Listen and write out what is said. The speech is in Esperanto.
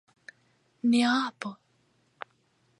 Nia apo!